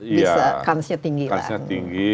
bisa kansnya tinggi kan ya kansnya tinggi